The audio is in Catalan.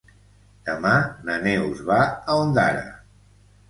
Demà na Neus va a Ondara.